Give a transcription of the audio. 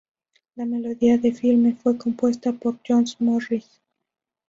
La melodía del filme fue compuesta por John Morris.